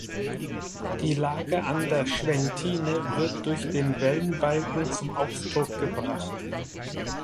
Die Lage an der Schwentine wird durch den Wellenbalken zum Ausdruck gebracht.